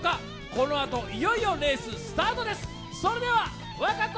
このあといよいよレーススタートです。